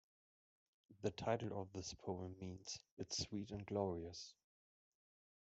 The title of this poem means 'It is sweet and glorious'.